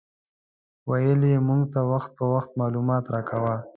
ویل یې موږ ته وخت په وخت معلومات راکاوه.